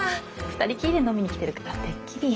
二人きりで飲みに来てるからてっきり。